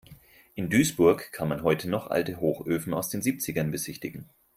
In Duisburg kann man heute noch alte Hochöfen aus den Siebzigern besichtigen.